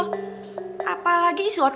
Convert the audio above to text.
ya allah tante